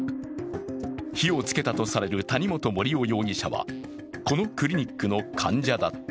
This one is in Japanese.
火をつけたとされる谷本盛雄容疑者はこのクリニックの患者だった。